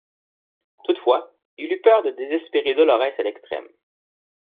Toutefois, il eut peur de désespérer Dolorès à l'extrême.